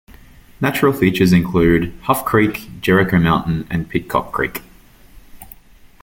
Natural features include Hough Creek, Jericho Mountain, and Pidcock Creek.